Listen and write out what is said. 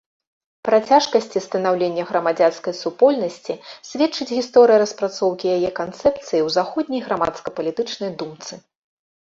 Пра цяжкасці станаўлення грамадзянскай супольнасці сведчыць гісторыя распрацоўкі яе канцэпцыі ў заходняй грамадска-палітычнай думцы.